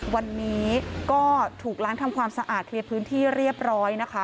วันนี้ก็ถูกล้างทำความสะอาดเคลียร์พื้นที่เรียบร้อยนะคะ